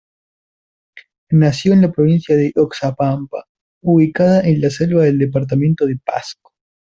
Nació en la provincia de Oxapampa, ubicada en la selva del Departamento de Pasco.